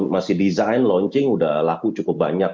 masih desain launching udah laku cukup banyak